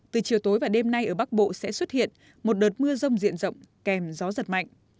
từ chiều tối và đêm nay ở bắc bộ sẽ xuất hiện một đợt mưa rông diện rộng kèm gió giật mạnh